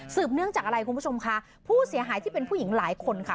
สืบเนื่องจากอะไรครับคุณผู้สิทธิภูมิผู้หายที่เป็นผู้หญิงหลายคนนี่